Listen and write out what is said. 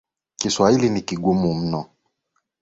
Kisawhili ni kigumu.